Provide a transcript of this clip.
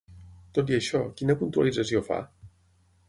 Tot i això, quina puntualització fa?